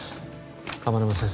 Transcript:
天沼先生